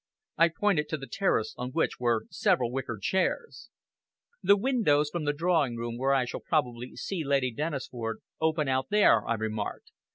I pointed to the terrace, on which were several wicker chairs. "The windows from the drawing room, where I shall probably see Lady Dennisford, open out there," I remarked.